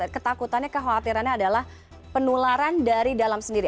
ketakutannya kekhawatirannya adalah penularan dari dalam sendiri